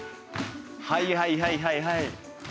はいはいはいはいはい。